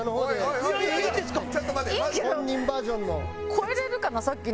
越えられるかなさっきの。